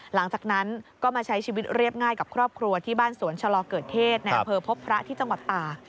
หลังจากนั้นก็มาใช้ชีวิตเรียบง่ายกับครอบครัวที่บ้านสวนชะลอเกิดเทศในอำเภอพบพระที่จังหวัดตาก